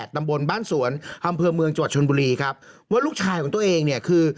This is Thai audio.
ตำบลบ้านสวนอำเภอเมืองจังหวัดชนบุรีครับว่าลูกชายของตัวเองเนี่ยคือ